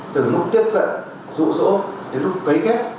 từ lúc tiếp cận rụ rỗ đến lúc cấy kết